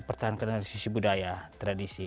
pertahankan dari sisi budaya tradisi